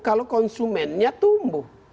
kalau konsumennya tumbuh